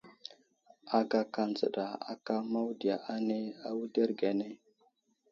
Agaka dzəka aka mawudiya ane awuderge ane .